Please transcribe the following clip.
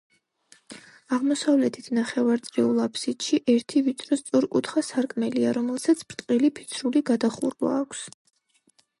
აღმოსავლეთით ნახევარწრიულ აფსიდში, ერთი ვიწრო სწორკუთხა სარკმელია, რომელსაც ბრტყელი ფიცრული გადახურვა აქვს.